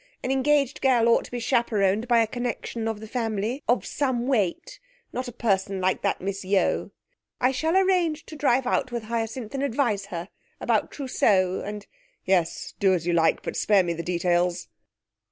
An engaged girl ought to be chaperoned by a connection of the family of some weight. Not a person like that Miss Yeo. I shall arrange to drive out with Hyacinth and advise her about her trousseau, and....' 'Yes; do as you like, but spare me the details.'